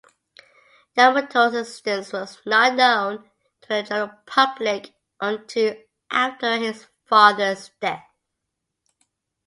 Yamato's existence was not known to the general public until after his father's death.